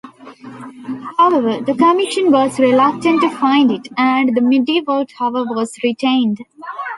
However the commission was reluctant to fund it, and the medieval tower was retained.